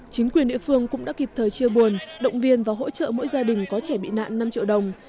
chính quyền địa phương cũng đã kịp thời chia buồn động viên và hỗ trợ mỗi gia đình có trẻ bị nạn năm triệu đồng